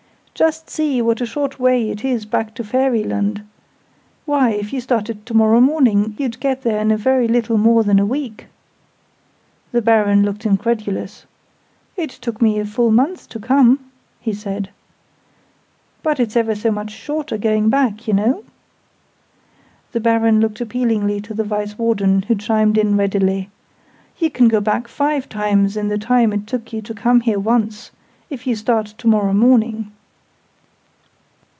"Just see what a short way it is back to Fairyland! Why, if you started to morrow morning, you'd get there in very little more than a week!" The Baron looked incredulous. "It took me a full month to come," he said. "But it's ever so much shorter, going back, you know!' The Baron looked appealingly to the Vice warden, who chimed in readily. "You can go back five times, in the time it took you to come here once if you start to morrow morning!"